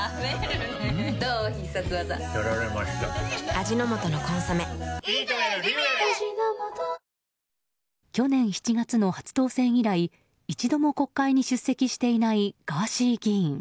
味の素の「コンソメ」去年７月の初当選以来一度も国会に出席していないガーシー議員。